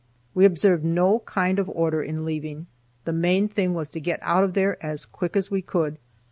We observed no kind of order in leaving; the main thing was to get out of there as quick as we could.